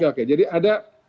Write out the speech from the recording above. ini hak rakyat ini